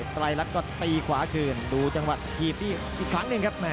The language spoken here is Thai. ไตรรัฐก็ตีขวาคืนดูจังหวะถีบอีกครั้งหนึ่งครับ